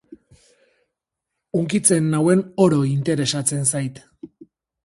Hunkitzen nauen oro interesatzen zait.